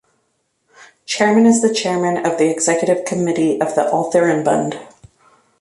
Chairman is the chairman of the executive committee of the Altherrenbund.